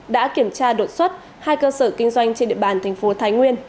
đã kiểm tra đột xuất hai cơ sở kinh doanh trên địa bàn thành phố thái nguyên